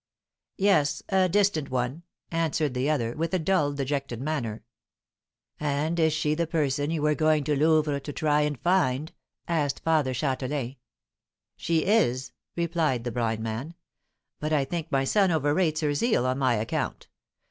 "Yes, a distant one," answered the other, with a dull, dejected manner. "And is she the person you were going to Louvres to try and find?" asked Father Châtelain. "She is," replied the blind man; "but I think my son overrates her zeal on my account.